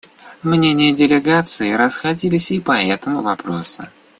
Мнения делегаций расходились и по этому вопросу.